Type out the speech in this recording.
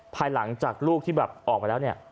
ภายหลังจากลูกที่แบบออกมาแล้วเนี่ย